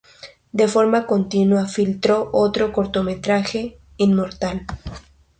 De forma continua, filmó otro cortometraje "Inmortal".